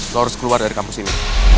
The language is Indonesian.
lo harus keluar dari kampus ini